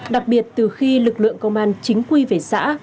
đặc biệt từ khi lực lượng công an chính quy về xã